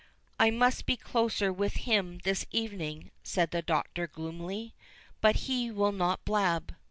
"I must be closer with him this evening," said the Doctor gloomily; "but he will not blab."